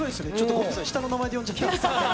ごめんなさい、下の名前で呼んじ健さん。